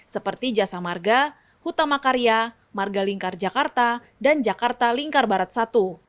seperti jasa marga hutama karya marga lingkar jakarta dan jakarta lingkar barat satu